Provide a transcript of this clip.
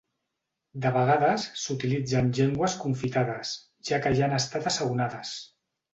De vegades s'utilitzen llengües confitades, ja que ja han estat assaonades.